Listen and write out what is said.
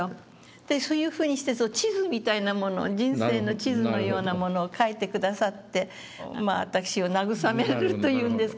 そういうふうにして地図みたいなものを人生の地図のようなものを書いて下さって私を慰めるというんですかね。